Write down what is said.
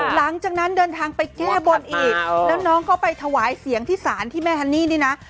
หลังจากนั้นเดินทางไปแก้บนอีกแล้วน้องก็ไปถวายเสียงที่ศาลที่แม่ฮันนี่นี่นะ